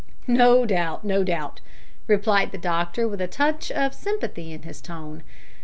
"No doubt, no doubt," replied the doctor, with a touch of sympathy in his tone.